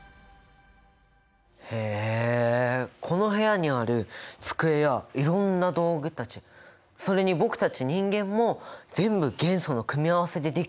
へえこの部屋にある机やいろんな道具たちそれに僕たち人間も全部元素の組み合わせでできてるってことだね。